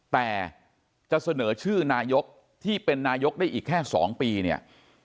แต่จะเสนอชื่อนายกที่เป็นนายกได้อีกแค่๒ปีเนี่ย